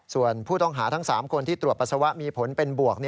ส่วนผู้ต้องหาทั้ง๓คนที่ตรวจปัสสาวะมีผลเป็นบวก